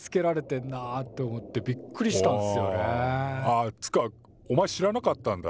あっつかおまえ知らなかったんだ。